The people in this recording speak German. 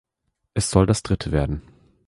Es soll das Dritte werden.